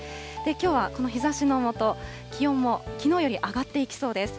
きょうはこの日ざしの下、気温もきのうより上がっていきそうです。